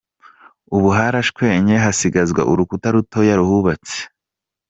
Ubu harashenywe hasigazwa uruhuta rutoya ruhubatse.